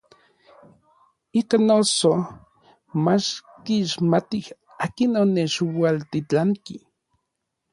Ikan noso mach kixmatij akin onechualtitlanki.